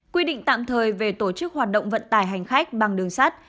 quy định tạm thời về tổ chức hoạt động vận tải hành khách bằng đường sắt